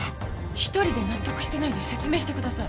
１人で納得してないで説明してください。